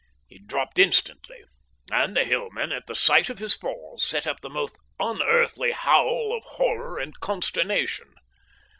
He dropped instantly, and the Hillmen, at the sight of his fall, set up the most unearthly howl of horror and consternation.